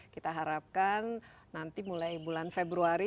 kita harapkan nanti mulai bulan februari